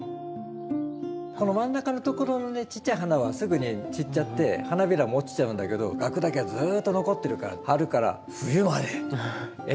この真ん中のところのねちっちゃい花はすぐに散っちゃって花びらも落ちちゃうんだけどというのもですね